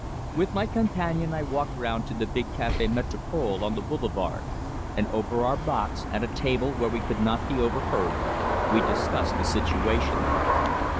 With my companion I walked round to the big Café Metropole on the Boulevard, and over our "bocks," at a table where we could not be overheard, we discussed the situation.